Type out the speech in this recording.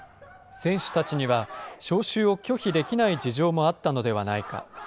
選手たちには、招集を拒否できない事情もあったのではないか。